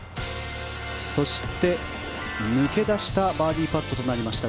そして、抜け出したバーディーパットとなりました